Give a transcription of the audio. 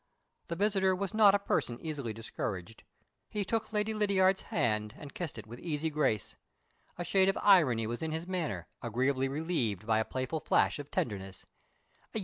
The visitor was not a person easily discouraged. He took Lady Lydiard's hand, and kissed it with easy grace. A shade of irony was in his manner, agreeably relieved by a playful flash of tenderness.